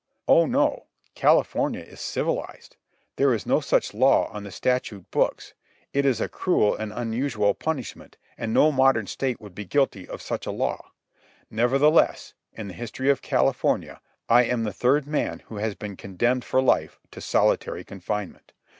Oh, no; California is civilized. There is no such law on the statute books. It is a cruel and unusual punishment, and no modern state would be guilty of such a law. Nevertheless, in the history of California I am the third man who has been condemned for life to solitary confinement.